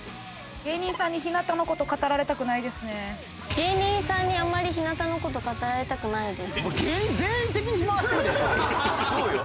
芸人さんにあんまり日向の事語られたくないです。